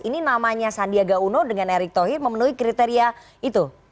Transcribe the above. ini namanya sandiaga uno dengan erick thohir memenuhi kriteria itu